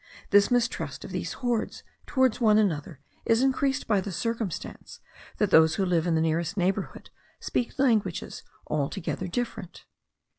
The mistrust of these hordes towards one another is increased by the circumstance that those who live in the nearest neighbourhood speak languages altogether different.